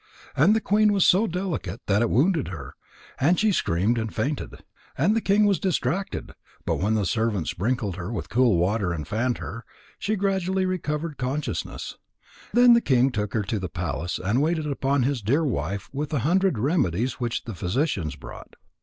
And the queen was so delicate that it wounded her, and she screamed and fainted. And the king was distracted, but when servants sprinkled her with cool water and fanned her, she gradually recovered consciousness. And the king took her to the palace and waited upon his dear wife with a hundred remedies which the physicians brought.